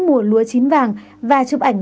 mùa lúa chín vàng và chụp ảnh